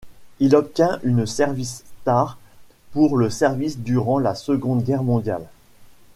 Il obtient une Service star pour le service durant la Seconde Guerre mondiale.